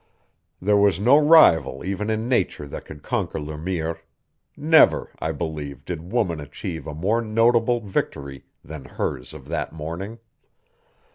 There was no rival even in nature that could conquer Le Mire; never, I believe, did woman achieve a more notable victory than hers of that morning.